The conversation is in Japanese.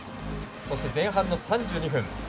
そして、前半の３２分。